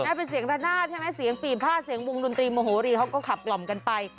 เป็นเสียงระนาดใช่ไหมเสียงปีบผ้าเสียงวงดนตรีโมโหรีเขาก็ขับกล่อมกันไป